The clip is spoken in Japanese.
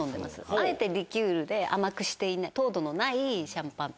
あえてリキュールで甘くしていない糖度のないシャンパン。